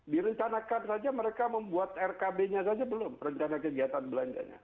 direncanakan saja mereka membuat rkb nya saja belum rencana kegiatan belanjanya